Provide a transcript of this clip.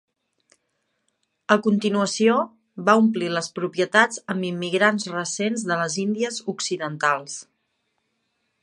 A continuació, va omplir les propietats amb immigrants recents de les Índies Occidentals.